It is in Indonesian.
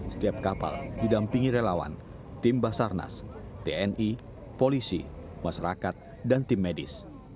setiap kapal didampingi relawan tim basarnas tni polisi masyarakat dan tim medis